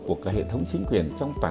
của bảo hiểm y tế